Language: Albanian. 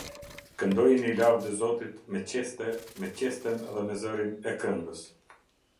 Këndojini lavde Zotit me qeste, me qesten dhe me zërin e këngës.